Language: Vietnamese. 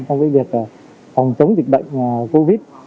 trong việc phòng chống dịch bệnh